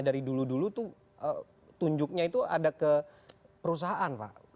dari dulu dulu tuh tunjuknya itu ada ke perusahaan pak